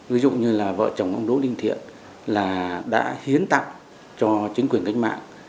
ví dụ như là vợ chồng ông đỗ đình thiện là đã hiến tặng cho chính quyền cách mạng